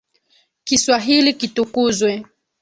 Kiswahili kitukuzwe